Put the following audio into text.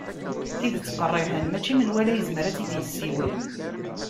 Tidet qerriḥen mačči menwala yezmer a tt-id-yessiwel.